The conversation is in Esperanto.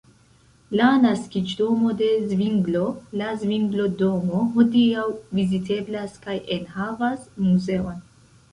La naskiĝdomo de Zvinglo, la "Zvinglo-Domo" hodiaŭ viziteblas kaj enhavas muzeon.